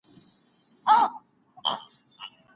د ميرمني په زړه کي د خاوند درناوی مه وژنئ.